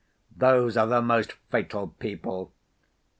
Those are the most fatal people!